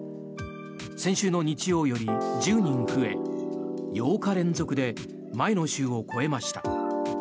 先週の日曜より１０人増え８日連続で前の週を超えました。